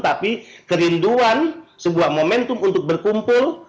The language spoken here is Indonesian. tapi kerinduan sebuah momentum untuk berkumpul